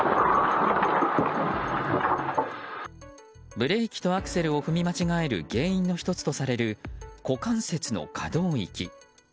．．．ブレーキとアクセルを踏み間違える原因の１つとされる股関節の可動域。